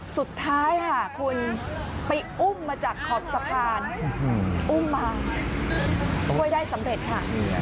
สุดท้ายค่ะคุณไปอุ้มมาจากขอบสะพานอุ้มมาช่วยได้สำเร็จค่ะ